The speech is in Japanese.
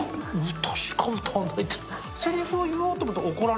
歌しか歌わないって。